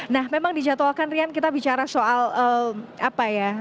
nah memang dijadwalkan rian kita bicara soal apa ya